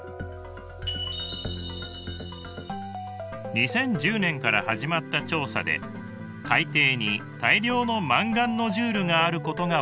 ２０１０年から始まった調査で海底に大量のマンガンノジュールがあることが分かりました。